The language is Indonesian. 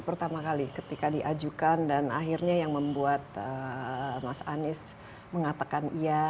pertama kali ketika diajukan dan akhirnya yang membuat mas anies mengatakan iya